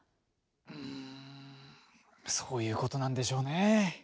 うんそういうことなんでしょうねえ。